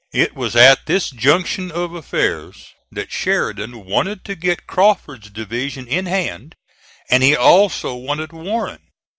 It was at this junction of affairs that Sheridan wanted to get Crawford's division in hand, and he also wanted Warren.